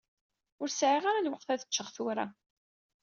Ur sɛiɣ ara lweqt ad ččeɣ tura.